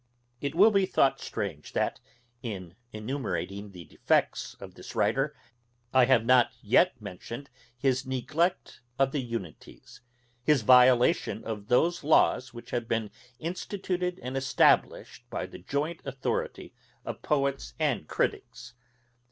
It will be thought strange, that, in enumerating the defects of this writer, I have not yet mentioned his neglect of the unities: his violation of those laws which have been instituted and established by the joint authority of poets and criticks.